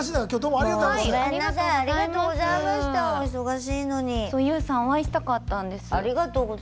ありがとうございます。